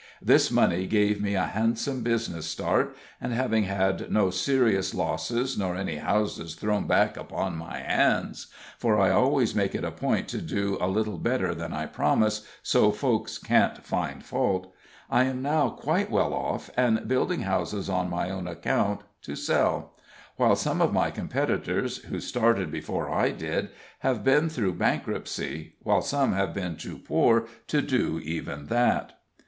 This money gave me a handsome business start, and having had no serious losses, nor any houses thrown back upon my hands (for I always make it a point to do a little better than I promise, so folks can't find fault) I am now quite well off, and building houses on my own account, to sell; while some of my competitors, who started before I did, have been through bankruptcy, while some have been too poor to do even that.